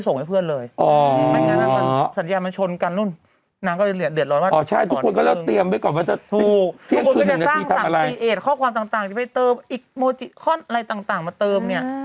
สวัสดีวันจังอาหารข้างเข้ามาหมดแล้ว